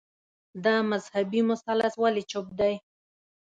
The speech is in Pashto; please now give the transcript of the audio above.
دا مذهبي مثلث ولي چوپ دی